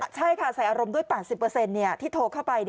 ใช่ค่ะใส่อารมณ์ด้วย๘๐ที่โทรเข้าไป